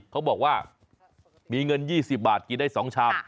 เขาบอกว่ามีเงิน๒๐บาทกินได้๒ชาม